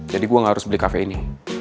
jadi gue gak harus beli kafe ini